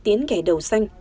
tiến kẻ đầu xanh